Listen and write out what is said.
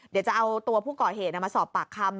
เดี๋ยวจะเอาตัวผู้ก่อเหตุมาสอบปากคำ